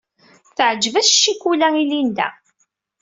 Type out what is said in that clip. Teɛǧeb-as ccikula i Linda.